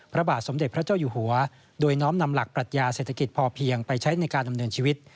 พระบาทสมเด็จพระเจ้าอยู่หัวโดยน้อมนำหลักปรัชญาเศรษฐกิจพอเพียงไปใช้ในการดำเนินชีวิต